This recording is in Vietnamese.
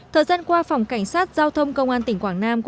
thời gian qua phòng cảnh sát giao thông công an tỉnh quảng nam